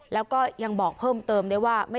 แล้วก็ยังบอกเพิ่มเติมได้ว่า